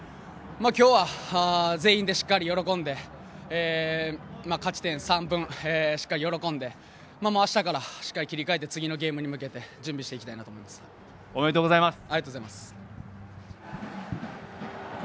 今日は全員で喜んで勝ち点３分しっかり喜んであしたからしっかり切り替えて次のゲームへ向けてしっかりおめでとうございます。